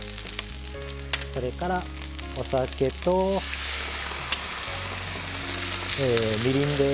それからお酒とみりんです。